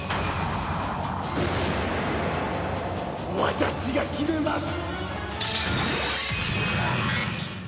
私が決めます！